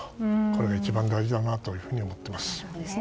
これが一番大事だなと思ってます。